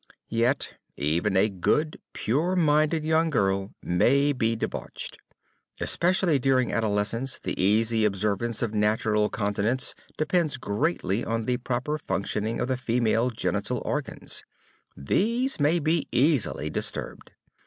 Yet even a good, pure minded young girl may be debauched. Especially during adolescence, the easy observance of natural continence depends greatly on the proper functioning of the feminine genital organs. These may be easily disturbed.